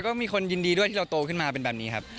ก็มีคนยินดีด้วยที่เราโตขึ้นมาเป็นแบบนี้ครับ